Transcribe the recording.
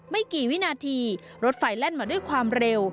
ไม่กี่วินาทีรถไฟแล่นมาด้วยความเร็ว